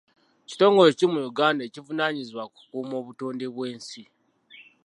Kitongole ki mu Uganda ekivunaanyizibwa ku kukuuma obutonde bw'ensi?